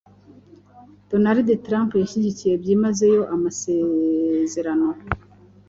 Donald Trump yahyigikiye byimazeyo amaezerano